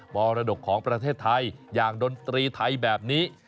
มรดกของประเทศไทยอย่างดนตรีไทยแบบนี้